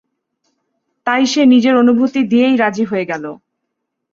তাই সে নিজের "অনুভূতি" দিয়েই রাজি হয়ে গেল।